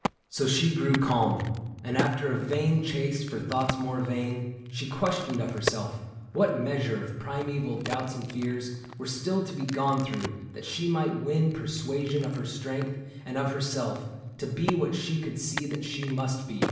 So she grew calm ; and after a vain chase For thoughts more vain, she questioned of her self What measure of primeval doubts and fears 138 THE BOOK OF ANNANDALE Were still to be gone through that she might win Persuasion of her strength and of herself To be what she could see that she must be.